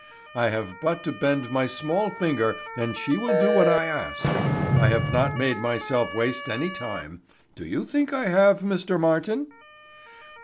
I have but to bend my small finger and she will do what I ask. I have not made myself waste any time. Do you think I have, Mr. Martin?"